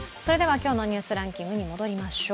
今日のニュースランキングに戻りましょう。